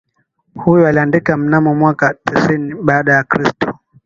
huyu aliandika mnamo mwaka tisini baada ya kristo